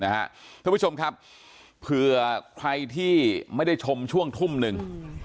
ท่านผู้ชมครับเผื่อใครที่ไม่ได้ชมช่วงทุ่มหนึ่ง